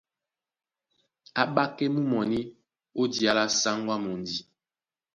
A ́ɓákɛ́ mú mɔní ó diá lá sáŋgó á mundi.